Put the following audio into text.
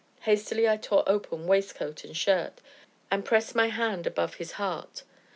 Hastily I tore open waistcoat and shirt, and pressed nay hand above his heart.